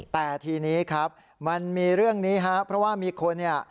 แต่ทีนี้ครับมันมีเรื่องนี้ครับเพราะว่ามีคนเนี่ย